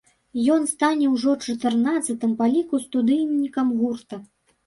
Ён стане ўжо чатырнаццатым па ліку студыйнікам гурта.